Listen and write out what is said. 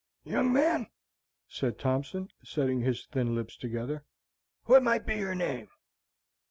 "Young man," said Mr. Thompson, setting his thin lips together, "what might be your name?"